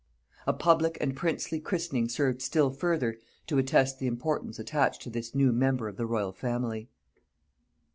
A public and princely christening served still further to attest the importance attached to this new member of the royal family.